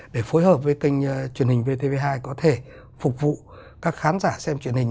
để phối hợp với kênh truyền hình vtv hai có thể phục vụ các khán giả xem truyền hình